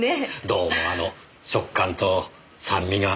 どうもあの食感と酸味が。